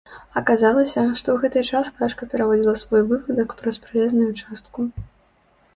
Аказалася, што ў гэты час качка пераводзіла свой вывадак праз праезную частку.